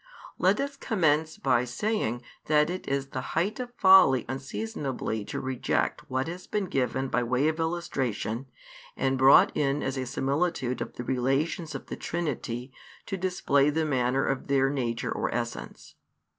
Let us commence by saying that it is the height of folly unseasonably to reject what has been given by way of illustration and brought in as a similitude of the relations of the Trinity to display the manner of Their Nature or Essence.